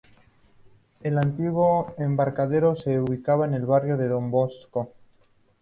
El antiguo embarcadero se ubica en el barrio Don Bosco.